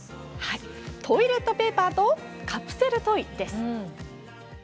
トイレットペーパーとカプセルトイです。